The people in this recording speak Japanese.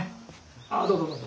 あっどうぞどうぞ。